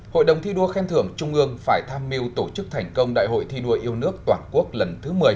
hội đồng thi đua khen thưởng trung ương phải tham mưu tổ chức thành công đại hội thi đua yêu nước toàn quốc lần thứ một mươi